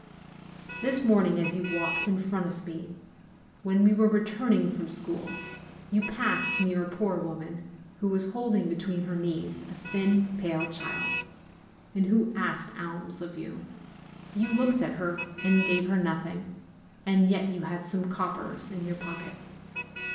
This morning as you walked in front of me, when we were returning from school, 54 NOVEMBER you passed near a poor woman who was holding between her knees a thin, pale child, and who asked alms of you. You looked at her and gave her nothing, and yet you had some coppers in your pocket.